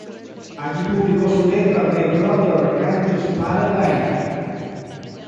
Allí publicó su letra de "Brother, can you spare a dime?